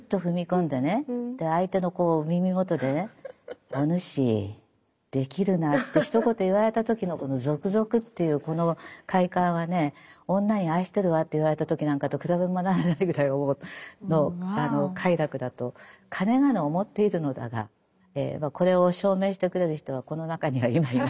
相手の耳元でね「お主できるな」ってひと言言われた時のゾクゾクっていうこの快感はね女に「愛してるわ」って言われた時なんかと比べ物にならないぐらいの快楽だとかねがね思っているのだがこれを証明してくれる人はこの中には今いないので残念ですが。